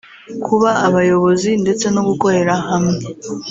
kuba abayobozi ndetse no gukorera hamwe